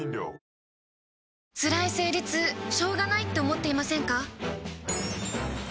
つらい生理痛しょうがないって思っていませんか？